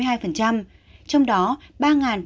trong đó ba bốn trăm sáu mươi hai ca nặng